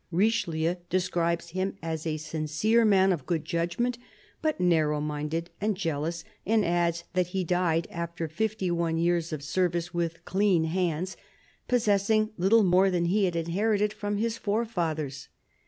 Richelieu describes him as a sincere man of good judgment, but narrow minded and jealous, and adds that he died after fifty one years' service with clean hands, possessing little more than he had inherited from his fore fathers.